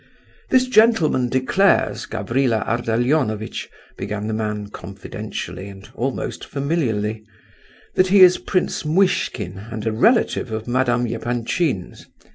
"This gentleman declares, Gavrila Ardalionovitch," began the man, confidentially and almost familiarly, "that he is Prince Muishkin and a relative of Madame Epanchin's.